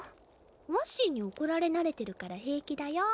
わっしーに怒られ慣れてるから平気だよ。